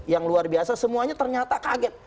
yang luar biasa semuanya ternyata kaget